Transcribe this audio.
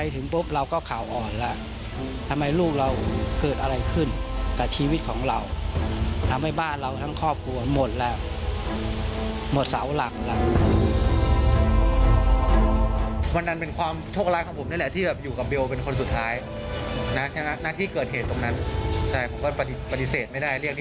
คุณต้องรู้ว่าเรื่องมันเป็นแบบไหน